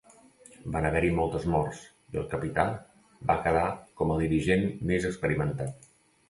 Van haver-hi moltes morts i el Capità va quedar com el dirigent més experimentat.